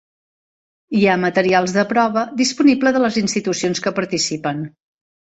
Hi ha materials de prova disponibles de les institucions que participen.